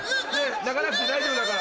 泣かなくて大丈夫だから。